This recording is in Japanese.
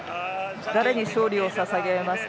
誰に勝利をささげますか？